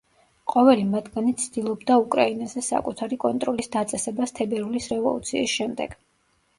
ყოველი მათგანი ცდილობდა უკრაინაზე საკუთარი კონტროლის დაწესებას თებერვლის რევოლუციის შემდეგ.